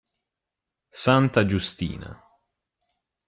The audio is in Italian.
Santa Giustina